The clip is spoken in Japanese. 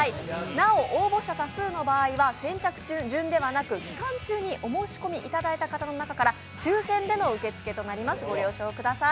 なお、応募者多数の場合は先着順ではなく、期間中にお申し込みいただいた方の中から抽選での受け付けとなりますご了承ください。